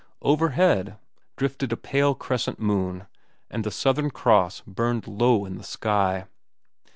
Overhead drifted a pale crescent moon, and the Southern Cross burned low in the sky.